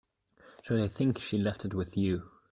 So they think she left it with you.